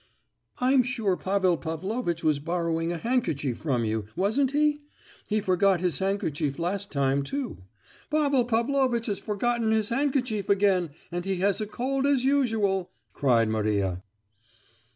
"I'm sure Pavel Pavlovitch was borrowing a handkerchief from you, wasn't he? He forgot his handkerchief last time too. Pavel Pavlovitch has forgotten his handkerchief again, and he has a cold as usual!" cried Maria.